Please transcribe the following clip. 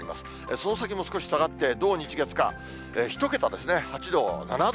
その先も少し下がって、土、日、月、火、１桁ですね、８度、７度。